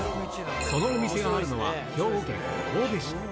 そのお店があるのは、兵庫県神戸市。